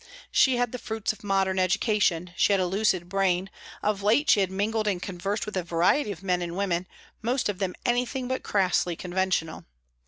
She had the fruits of a modern education; she had a lucid brain; of late she had mingled and conversed with a variety of men and women, most of them anything but crassly conventional.